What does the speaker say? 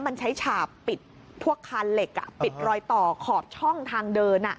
มันใช้ฉาบปิดพวกคานเหล็กปิดรอยต่อขอบช่องทางเดิน